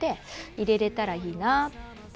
入れられたらいいなって。